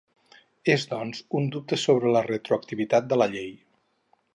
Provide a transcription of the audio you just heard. És, doncs, un dubte sobre la retroactivitat de la llei.